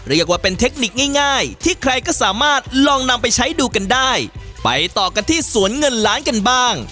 เรียกว่าเป็นเทคนิคง่ายง่ายที่ใครก็สามารถลองนำไปใช้ดูกันได้ไปต่อกันที่สวนเงินล้านกันบ้าง